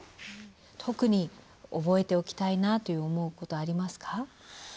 特に覚えておきたいなと思うことはありますか？